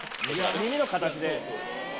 耳の形で。